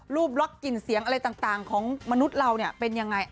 ล็อกกลิ่นเสียงอะไรต่างของมนุษย์เราเป็นยังไง